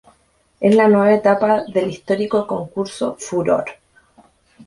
Es la nueva etapa del histórico concurso "Furor".